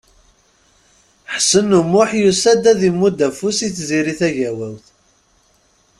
Ḥsen U Muḥ yusa-d ad imudd afus i Tiziri Tagawawt.